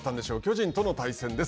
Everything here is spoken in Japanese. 巨人との対戦です。